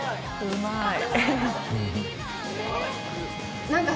うまい。